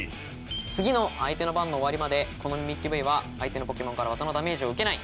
次の相手の番の終わりまでこのミミッキュＶは相手のポケモンからワザのダメージを受けない。